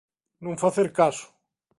Non facer caso.